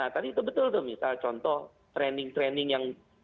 tadi itu betul contoh training training yang dikawal